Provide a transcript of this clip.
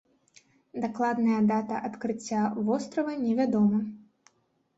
Дакладная дата адкрыцця вострава не вядома.